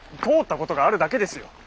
通ったことがあるだけですよ。